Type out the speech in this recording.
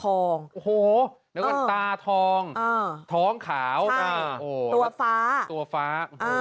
โอ้โหนึกว่าตาทองท้องขาวตัวฟ้าตัวฟ้า